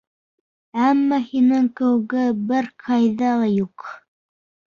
Әммә һинең кеүеге бер ҡайҙа ла юҡ.